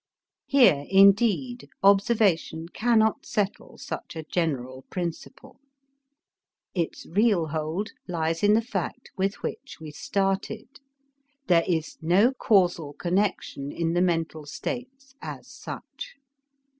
Here, indeed, observation cannot settle such a general principle. Its real hold lies in the fact with which we started: there is no causal connection in the mental states as such.